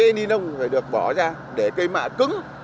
cây ninông phải được bỏ ra để cây mạ cứng